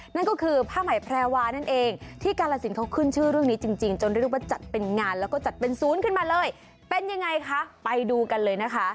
นั่นก็คือผ้าใหม่แพรวานั่นเองที่กาลสินเขาขึ้นชื่อเรื่องนี้จริงจนเรียกว่าจัดเป็นงานแล้วก็จัดเป็นศูนย์ขึ้นมาเลยเป็นยังไงคะไปดูกันเลยนะคะ